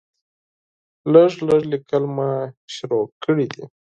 لږ لږ ليکل مې شروع کړي دي